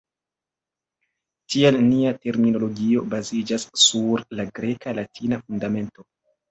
Tial nia terminologio baziĝas sur la greka-latina fundamento.